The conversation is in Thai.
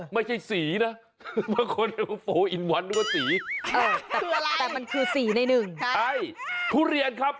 ไม่ใช่๔นะ